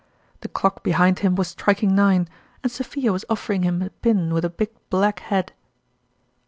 The clock behind him was striking nine, and Sophia was offer ing him a pin with a big black head.